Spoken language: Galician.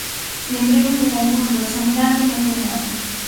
Lembremos que o concurso das ambulancias naceu mal.